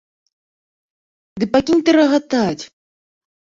Ды пакінь ты рагатаць.